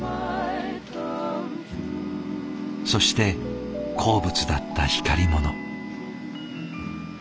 そして好物だった光り物。